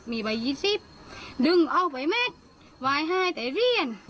มีใบยี่สิบดึงเอาไปเม็ดวายห้ายแต่เรียน